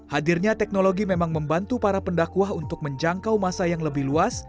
hadirnya teknologi memang membantu para pendakwah untuk menjangkau masa yang lebih luas